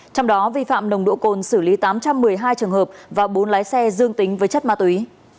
trong đó vi phạm nồng độ cồn xử lý tám trăm một mươi hai trường hợp và bốn lái xe dương tính với chất ma túy